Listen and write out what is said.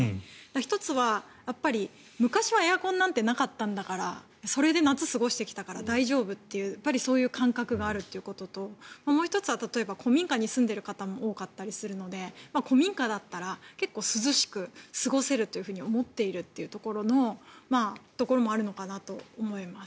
１つは昔はエアコンなんてなかったんだからそれで夏、過ごしてきたから大丈夫というそういう感覚があるっていうことともう１つは古民家に住んでいる方も多かったりするので古民家だったら結構涼しく過ごせると思っているというのもあるかと思います。